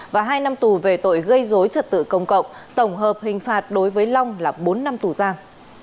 và hai năm tù về tội gây dối trật tự công cộng tổng hợp hình phạt đối với long là bốn năm tù giam